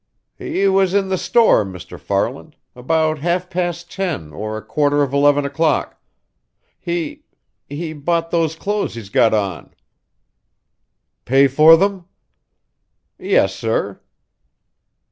"He was in the store, Mr. Farland, about half past ten or a quarter of eleven o'clock. He he bought those clothes he's got on." "Pay for them?" "Yes, sir."